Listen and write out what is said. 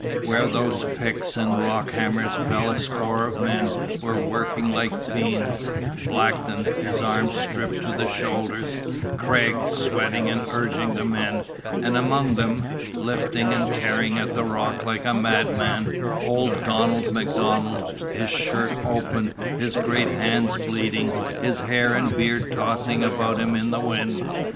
Where those picks and rock hammers fell a score of men were working like fiends: Blackton, his arms stripped to the shoulders; Gregg, sweating and urging the men; and among them lifting and tearing at the rock like a madman old Donald MacDonald, his shirt open, his great hands bleeding, his hair and beard tossing about him in the wind.